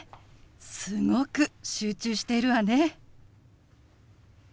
すごく集中しているわね。